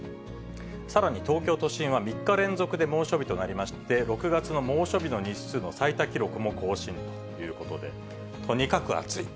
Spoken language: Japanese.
さらに東京都心は３日連続で猛暑日となりまして、６月の猛暑日の日数の最多記録も更新ということで、とにかく暑い。